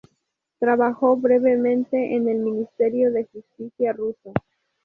Trabajó brevemente en el Ministerio de Justicia ruso.